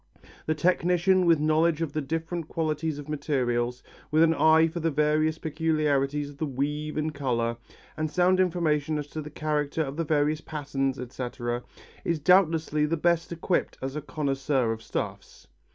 The technician with knowledge of the different qualities of materials, with an eye for the various peculiarities of the weave and colour, and sound information as to the character of the various patterns, etc., is doubtlessly the best equipped as a connoisseur of stuffs.